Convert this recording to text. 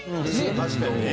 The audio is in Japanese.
確かにね。